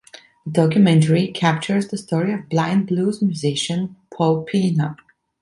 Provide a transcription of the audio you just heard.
The documentary captures the story of blind blues musician Paul Pena.